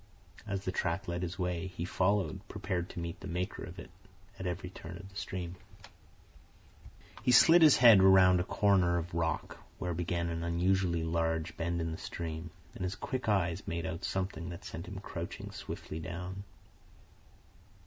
As the track led his way, he followed, prepared to meet the maker of it at every turn of the stream. He slid his head around a corner of rock, where began an unusually large bend in the stream, and his quick eyes made out something that sent him crouching swiftly down.